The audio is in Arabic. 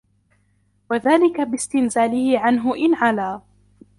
وَذَلِكَ بِاسْتِنْزَالِهِ عَنْهُ إنْ عَلَا